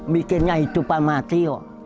mikirnya hidupan mati